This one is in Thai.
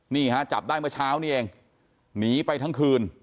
นี่ฮะจับได้เมื่อเช้านี้เองหนีไปทั้งคืน